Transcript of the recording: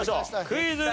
クイズ。